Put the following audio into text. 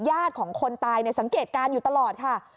ของคนตายสังเกตการณ์อยู่ตลอดค่ะ